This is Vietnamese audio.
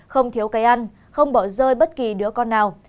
không thiếu cây ăn không bỏ rơi bất kỳ đứa con nào